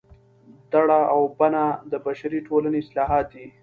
دړه او بنه د بشري ټولنې اصطلاحات دي